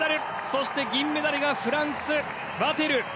そして銀メダルがフランス、ワテル。